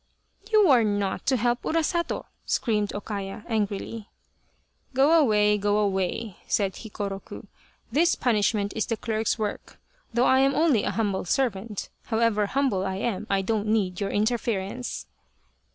" You are not to help Urasato !" screamed O Kaya, angrily. " Go away, go away," said Hikoroku, " this punish ment is the clerk's work though I am only a humble servant, however humble I am I don't need your interference."